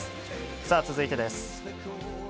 さあ、続いてです。